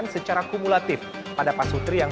secara kumulatif pada pasutri yang